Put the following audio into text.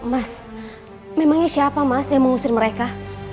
mas memangnya siapa mas yang mengusir mereka